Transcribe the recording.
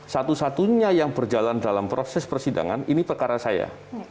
satu satunya yang berjalan dalam proses persidangan ini perkara saya